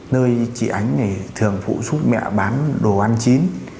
nơi chị ánh này thường phụ giúp mẹ bán đồ ăn chín